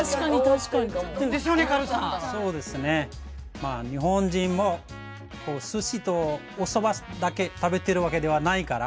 まあ日本人もおすしとおそばだけ食べてるわけではないから。